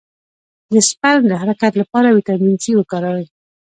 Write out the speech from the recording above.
د سپرم د حرکت لپاره ویټامین سي وکاروئ